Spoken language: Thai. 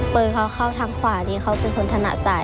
เบอร์เขาเข้าทางขวานี่เขาเป็นคนธนาสาย